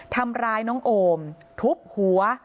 ทำร้ายน้องโอมทุบหัว